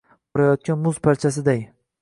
borayotgan muz parchasiday